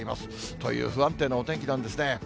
という不安定なお天気なんですね。